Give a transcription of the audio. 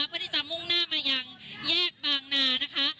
เพื่อที่จะมุ่งหน้ามายังแยกบางนานะคะ